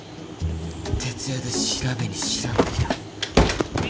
徹夜で調べに調べてきた